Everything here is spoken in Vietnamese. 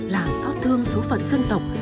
là xót thương số phận dân tộc